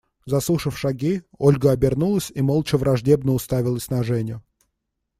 Заслышав шаги, Ольга обернулась и молча враждебно уставилась на Женю.